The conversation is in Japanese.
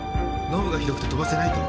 濃霧がひどくて飛ばせないと。